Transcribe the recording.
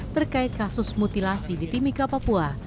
terkait kasus mutilasi di timika papua